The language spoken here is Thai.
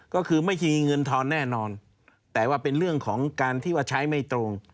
ก็คือไม่มีเงินทอนแน่นอนแต่ว่าเป็นเรื่องของการที่ว่าใช้ไม่ตรง